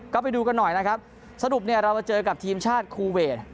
ก็ไปดูกันหน่อยนะครับสรุปเนี่ยเรามาเจอกับทีมชาติคูเวท